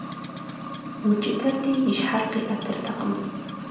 Укӏытэрти и щхьэр къиӏэтыртэкъым.